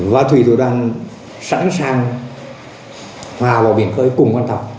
và thủy thủ đang sẵn sàng hòa vào biển khơi cùng con tàu